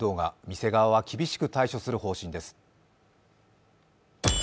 店側は厳しく対処する方針です。